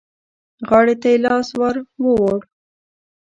غاړې ته يې لاس ور ووړ.